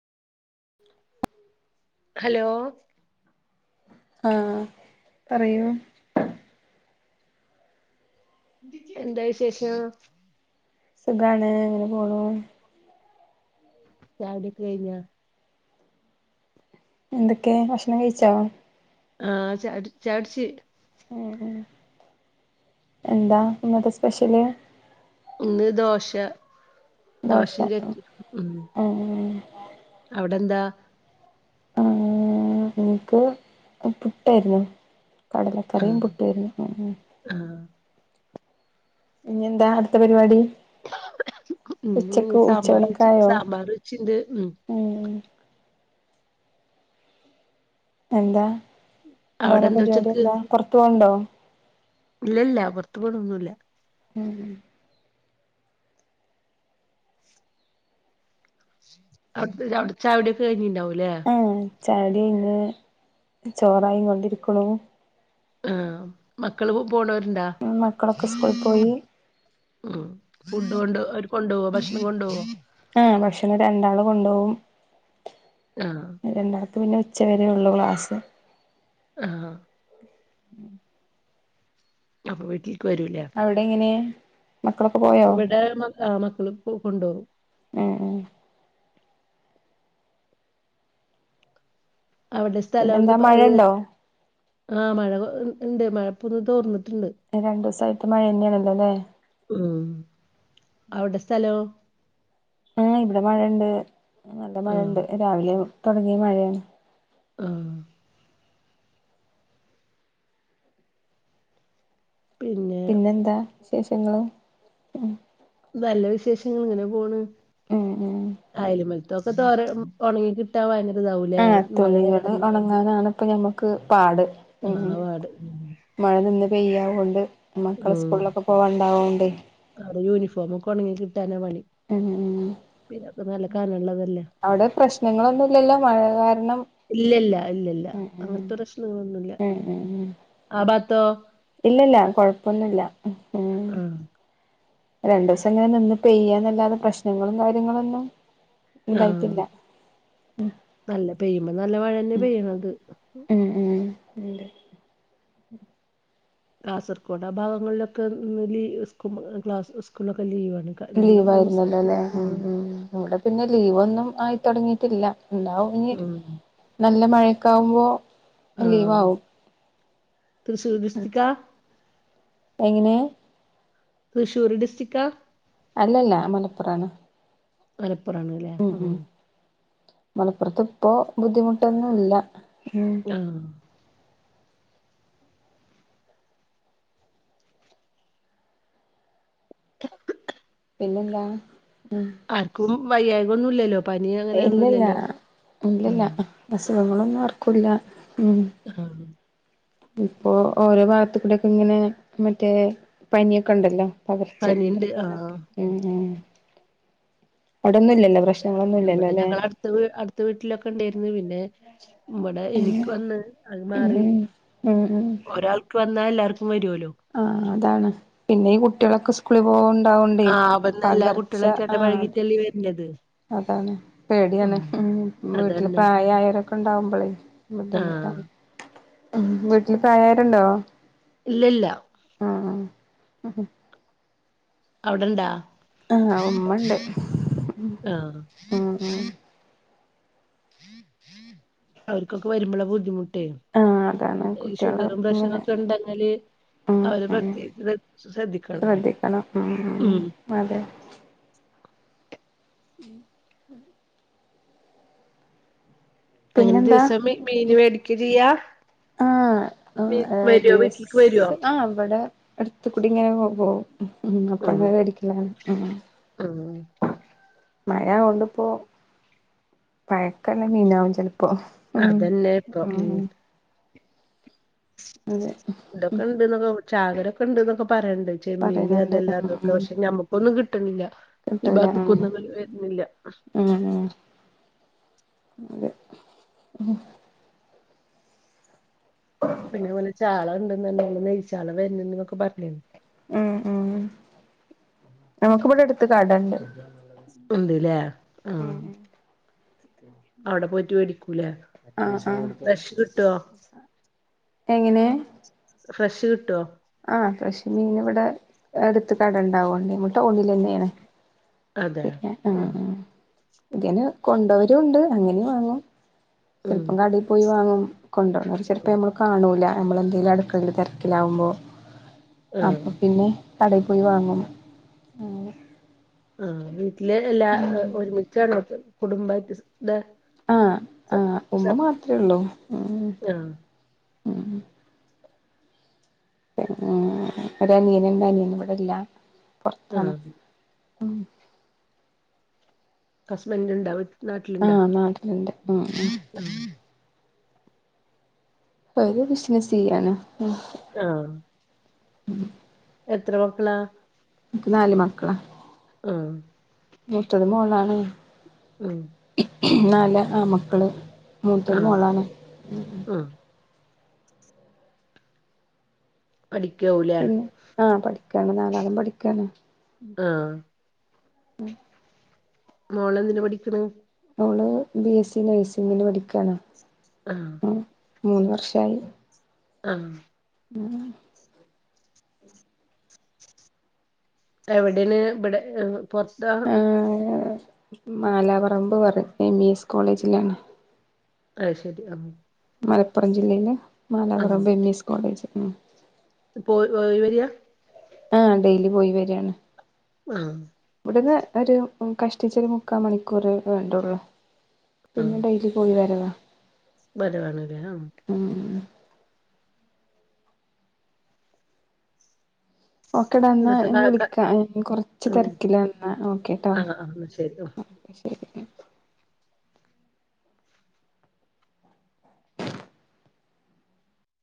Hello ആഹ് പറയൂ എന്താ വിശേഷം സുഖാണ് ഇങ്ങനെ പോണു ചായ കുടിയൊക്കെ കഴിഞ്ഞാ എന്തൊക്കെ ഭക്ഷണം കഴിച്ചോ ആഹ് ചായ കുടിച്ച് ചായ കുടിച്ച് ഏഹ് എന്താ ഇന്നത്തെ സ്പെഷ്യല് ഇന്ന് ദോശ ദോശ ദോശയും ചട്ട്ണിയും ഉം ഉം അവിടെന്താ ആഹ് എനിക്ക് പുട്ടായിരുന്നു ആഹ് കടലക്കറിയും പുട്ടും ആയിരുന്നു ആഹ് ഇനി എന്താ അടുത്ത പരിപാടി ഉം ഉച്ചക്ക് സാമ്പാർ ഉച്ചയൂണൊക്കെ വച്ച് ആയോ സാമ്പാർ വച്ചിട്ടുണ്ട് ഉം ഉം എന്താ അവിടെ വേറെ പരിപാടി ഉച്ചക്ക് എന്താ പുറത്തു പോന്നുണ്ടോ ഇല്ല ഇല്ല പുറത്തു പോണൊന്നുമില്ല ഉം അവിടുത്തെ അവിടെ ചായ കുടിയൊക്കെ കഴിഞ്ഞിട്ടുണ്ടാവുല്ലേ ആഹ് ചായ കുടി കഴിഞ്ഞു ചോറായ് കൊണ്ടിരിക്കണു ആഹ് മക്കള് പോണവരുണ്ടോ ഉം മക്കളൊക്കെ സ്കൂള് പോയി ഉം ഫുഡ് കൊണ്ട് അവര് കൊണ്ടുപോവോ ഭക്ഷണം കൊണ്ട് പോവോ ആഹ് ഭക്ഷണം രണ്ടാള് കൊണ്ടു പോവും ആഹ് രണ്ടാൾക്ക് പിന്നെ ഉച്ച വരേയെ ഉള്ളു ക്ലാസ് ആഹ് അപ്പൊ വീട്ടിലേക്ക് വരൂല്ലേ അവിടെ എങ്ങനെയാ ഇവിടെ മക്കള് ആഹ് മക്കള് കൊണ്ടുപോകും ഏഹ് അവിടെ സ്ഥലം എന്ത് പിന്നെന്താ മഴണ്ടോ ആഹ് മഴ ഉണ്ട് മഴ ഇപ്പോ ഒന്ന് തോർന്നിട്ടുണ്ട് രണ്ട് ദിവസം ആയിട്ട് മഴ തന്നെയണല്ലോല്ലേ ഉം അവിടെ സ്ഥലോ ആഹ് ഇവിടെ മഴയുണ്ട് നല്ല ആഹ് മഴയുണ്ട് രാവിലെ തുടങ്ങിയ മഴയാണ് ആഹ് പിന്നെ പിന്നെന്താ വിശേഷങ്ങള് ഉം നല്ല വിശേഷങ്ങള് ഇങ്ങനെ പോണ് ഉം ഉം അയല്പ്പക്കത്തൊക്കെ തോര ഉണങ്ങി കിട്ടാൻ ഭയങ്കര ഇതാവൂലേ ആഹ് മഴ തുണികള് കാരണം ഒണങ്ങാനാണ് ഇപ്പ ഞമ്മക്ക് പാട് ഉം അതാ പാട് മഴ നിന്ന് പെയ്യാവുകൊണ്ട് മക്കളെ സ്കൂളിലൊക്കെ പോക ഉണ്ടാവുന്നകൊണ്ടെ അവരുടെ യൂണിഫോമൊക്കെ ഉണങ്ങി കിട്ടാനാ പണി ഉം ഉം പിന്നെ ഒക്കെ നല്ല കനമുള്ളതല്ലേ അവിടെ പ്രശ്നങ്ങളൊന്നും ഇല്ലല്ലോ മഴ കാരണം ഇല്ലല്ല ഇല്ലല്ല ഉം ഉം അങ്ങനത്തെ പ്രശ്നങ്ങളൊന്നുമില്ല ഉം ഉം ഉം ആഹ് ഭാഗത്തോ ഇല്ലല്ല കൊഴപ്പൊന്നുല്ല ആഹ് രണ്ടു ദിവസം ഇങ്ങനെ നിന്ന് പെയ്യാ എന്നല്ലാതെ പ്രശ്നങ്ങളും കാര്യങ്ങളൊന്നും ആഹ് ഉണ്ടായിട്ടില്ല നല്ല പെയ്യുമ്പോ നല്ല മഴ തന്നെയാ പെയ്യണത്. ഉം [unintelligible] കാസർഗോഡ് ആ ഭാഗങ്ങളിലൊക്കെ ലീ സ്കൂ ക്ലാസ് സ്കൂളൊക്കെ ലീവണ് രണ്ട്, മൂന്ന് ലീവായിരുന്നല്ലോ ല്ലേ സ്ഥലത്ത് ഉം ഉം ഇവിടെ പിന്നെ ലീവ് ഒന്നും ആയിത്തുടങ്ങിയിട്ടില്ല, ഉണ്ടാവും അ ഉം നല്ല മഴക്ക ആവുമ്പോ ലീവ് ആവും തൃശൂർ ഡിസ്ട്രിക്കാ എങ്ങനെ തൃശൂർ ഡിസ്ട്രിക്കാ അല്ലല്ല മലപ്പുറാണ് മലപ്പുറാണ് ല്ലേ, ഉം മ് ഉം മലപ്പുറത്ത് ഇപ്പോ ബുദ്ധിമുട്ടൊന്നും ഇല്ല ഉം ഉം [inaudible] പിന്നെന്താ, ഉം ആർക്കും വയ്യയിമയെന്നും ഇല്ലല്ലോ ഇല്ലില്ല, ഇല്ലില്ല ഉം അസുഖങ്ങളൊന്നും ആർക്കും ഇല്ല, ഉം ആഹ ഇപ്പോ ഓരോ ഭാഗത്ത്ടെയൊക്കെ ഇങ്ങനെ മറ്റേ പനിയൊക്കെ ഉണ്ടല്ലോ പകർച്ചക്കെ പനിണ്ട് ആഹ് ഉം, ഉം അവിടന്നുംല്ല ഞങ്ങളെ അടുത്ത അടുത്ത വീട്ടിലൊക്കെ ഉണ്ടായിരുന്നു പിന്നെ ഇവിടെ എനിക്ക് വന്ന് അത് ഉം മാറി, ഉം ഉം ഒരാൾക്ക് വന്നാൽ എല്ലാർക്കും വരുല്ലോ ആ അതാണ് പിന്നെയും ഈ കുട്ടികളൊക്കെ സ്കൂ സ്കൂളി പോവണ്ടാവണ്ടേ ആഹ് അപ്പന്ന് എല്ലാ പകർച്ച കുട്ടികളായിട്ട് ആ [unintelligible] അതാണ് പേടിയാണ് ഉം, വീട്ടില് അതന്നെ പ്രായമായവരൊക്കെ ഉണ്ടാവുമ്പോളേ ബുദ്ധിമുട്ടാ ആഹ് വീട്ടില് പ്രായം ആയവരുണ്ടോ? ഇല്ല ഇല്ല ആഹ ആ അവിടെണ്ടാ ആ ഉമ്മണ്ട് ആഹ് ആ, ആ [inaudible] അവർക്കൊക്കെ വരുമ്പോളാ ബുദ്ധിമുട്ട്, ആഹ് അതാണ് പിന്നെ കുട്ടികള് ഷുഗറും പ്രഷറും ഇങ്ങനെ ഒക്കെ ഉണ്ടെങ്കില് ഉം അവര് ഉം പ്രത്യേകിച്ച് ശ്രദ്ധിക്കണല്ലോ, ഉം അതെ [inaudible] അങ്ങനെ പിന്നെന്താ ദിവസം മീൻ മേടിക്ക ചെയ്യാ ആഹ, മീ വരോ വീട്ടിൽക്ക് വരോ ദിവസ് ആ ഇവടെ അടുത്ത് കൂടി ഇങ്ങനെ പോവും, ഉം അപ്പൊ അങ്ങനൊവേടിക്കല ഉം മഴ അഹണ്ട്പ്പോ പഴക്കൊള്ള മീനാകും ചെലപ്പോ ഉം അതന്നെ ഇപ്പൊ, ഉം ഉ ഉം അതെ ഇതൊക്കെണ്ടന്ന്ക്കെ ചാകരൊക്കെ ഉണ്ട്ന്നൊക്കെ പറയണ്ടണ്ട് ചെമ്മീന് പറയണണ്ട് അതെല്ലാം ഉം അതൊക്കെ ഉം പക്ഷെ നമ്മക്കൊന്നും കിട്ടണില്ല. ഈ കിട്ടൂല ഭാഗത്തേക്ക് ഉം ഒന്നും അങ്ങനെ വരുന്നില്ല. ഉം, അതെ പിന്നെഅത്‌ പോലെ ചാള ഉണ്ടന്നുണ്ടെ നെയ്യ് ചാള വരുന്ന എന്നൊക്കെ പറഞ്ഞിരുന്നു. ഉം ഉം നമക്ക് ഇവടെടുത്ത് കടണ്ട് ഉണ്ട്ലേ ഉം ആഹ് ഉം അവടെ പോയിട്ട് വേടിക്കൂലേ ആഹ് ആഹ് ഫ്രഷ് കിട്ടുവോ എങ്ങനെ ഫ്രഷ് കിട്ടുവോ ആഹ് ഫ്രഷ് മീന് ഇവടെ എടത്ത് കടെണ്ടാവും [unintelligible] തന്നെയാണ് അതെയോ പിന്നെ ആഹ് ആഹ് ഇതെ കൊണ്ടോരുവോണ്ട് അങ്ങനേം വാങ്ങും ഉം ചെലപ്പം കടെപ്പോയി വാങ്ങും കൊണ്ടുവ [unintelligible] ചെലപ്പോ നമ്മള് കാണൂലാ നമ്മളെന്തെലും അടുക്കളെൽ തെരക്കിലാകുമ്പോ ആഹ് അപ്പം പിന്നെ കടെ പോയി വാങ്ങും അങ്ങനെ ആഹ് വീട്ടില് എല്ലാ ഉം ഒരുമിച്ചണോ കുടുംബായിട്ട് ഇത് ആഹ് ആഹ് ഉമ്മ മാത്രേ ഒള്ളൂ ഏഹ് ആഹ് ഉം ഒരു അനിയന്ണ്ട് അനിയന് ഇവടെല്ല പൊറത്താണ് ആഹ് ഉം ഹസ്ബൻറ്റ്ണ്ടാവി ആഹ് നാട്ടില്ണ്ട് ആഹ് ആഹ് ഓര് ബിസിനസ് ചെയ്യാണ് ഉം ആഹ് ഉം എത്ര മക്കളാ? എനിക്ക് നാല് മക്കള് ആഹ് മുത്തത് മോളാണ് ഉം നാല് ആമക്കള് മൂത്തത് ആഹ് മോളാണ് ഉം പഠിക്കാവൂലേ ആഹ് പഠിക്കാണ് നാലാളും പഠിക്കാണ് ആഹ് മോളെന്തിന് പഠിക്ക്ണ് ഓള് ബി എസ് സി നഴ്സിഗിന് പഠിക്കാണ് ആഹ് മൂന്ന് വർഷായി ആഹ് ഉം എവടെണ് ഇവടെ പൊറത്താ മാലാപറമ്പ് പറയും എം ഇ എസ് കോളേജിലാണ് അയ് ശെരി ആമ് മലപ്പുറം ജില്ലേല് Malaparamba A M E S college ഉം പ്പോ ഓയി വരിയാ ആഹ് ഡെയിലി പോയി വര്യാണ് ആഹ് ഇവടുന്ന് ഒരു കഷ്ടിച്ചൊരു മുക്കാമണിക്കൂറേ വേണ്ടുള്ളൂ പിന്നെ ഡെലി പോയിവരവാ വരവാണ്ലേ ആഹ് ഓക്കേടാ എന്നാ എന്നിട്ട് കാ കാ വിളിക്കാം കൊറച്ച് തെരക്കിലാണ് ന്നാ ഓക്കെ ട്ടോ ശെരി ഓഹ്